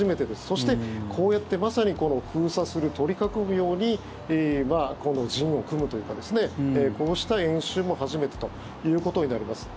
そして、こうやってまさに封鎖する、取り囲むように陣を組むというかこうした演習も初めてということになります。